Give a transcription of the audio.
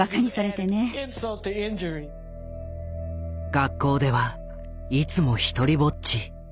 学校ではいつも独りぼっち。